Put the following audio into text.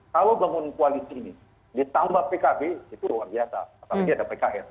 kalau bangun kuali sini ditambah pkb itu luar biasa apalagi ada pkb